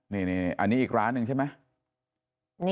นี่อันนี้อีกร้านหนึ่งใช่ไหม